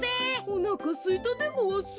おなかすいたでごわす。